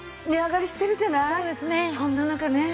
そんな中ね